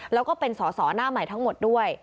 แล้วก็เป็นสอสอหน้าใหม่ทั้งหมดด้วย